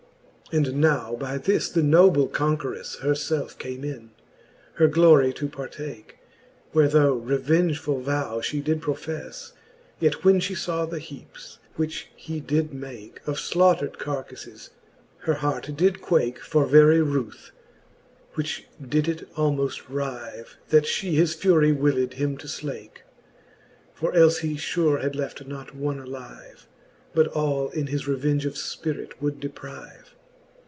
And now by this the noble conquercffe Her felfe came in, her glory to partake ; Where though revengefull vow fhe did profefle, Yet when flie faw the heapes, which he did make, Of flaughtred carkafles, her heart did quake For very ruth, which did it almoft rive, That fhe his fury willed him to flake : For elfe he fure had left not one alive, But all in his revenge of fpirite would deprive.